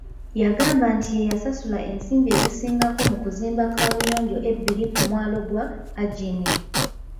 Yagamba nti ye yasasula ensimbi ezisingako mu kuzimba kaabuyonjo ebbiri ku mwalo gwa Ajini.